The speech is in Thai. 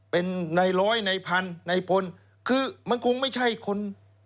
เป็นในร้อยในพันในพลคือมันคงไม่ใช่คน